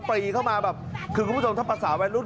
ปรีเข้ามาแบบคือคุณผู้ชมถ้าภาษาวัยรุ่น